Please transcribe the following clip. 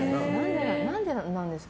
何でなんですか？